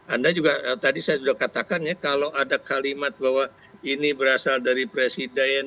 anda juga tadi saya sudah katakan ya kalau ada kalimat bahwa ini berasal dari presiden